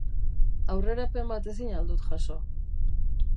Aurrerapen bat ezin al dut jaso?